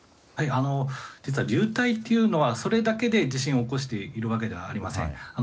実は流体というのはそれだけで地震を起こしているわけではありません。